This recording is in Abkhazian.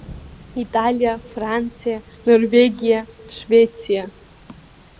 Италиа, Франциа, Норвегиа, Швециа.